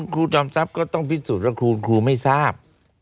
ครูจอมทรัพย์ก็ต้องพิสูจน์ว่าคุณครูไม่ทราบ